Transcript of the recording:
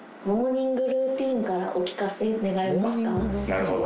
なるほど。